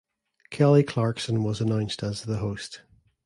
Kelly Clarkson was announced as the host.